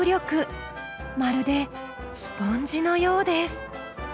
まるでスポンジのようです。